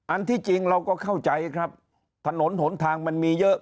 อันที่จริงเราก็เข้าใจครับถนนหนทางมันมีเยอะ